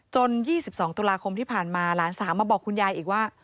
๒๒ตุลาคมที่ผ่านมาหลานสาวมาบอกคุณยายอีกว่า